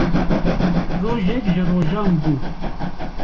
Rojek ji rojan bû